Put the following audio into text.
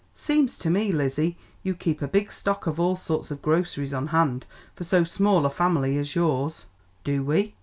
Seems to me, Lizzie, you keep a big stock of all sorts of groceries on hand for so small a family as yours." "Do we?"